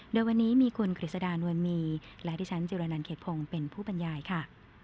เดี๋ยววันนี้มีคุณคริสดานวลมีและดิฉันจิรณานเขตพงษ์เป็นผู้บรรยายค่ะ